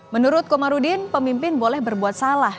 menurut komarudin pemimpin boleh berbuat salah